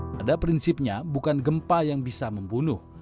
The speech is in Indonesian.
pada prinsipnya bukan gempa yang bisa membunuh